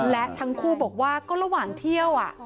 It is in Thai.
และทั้งคู่บอกว่าก็ระหว่างเที่ยว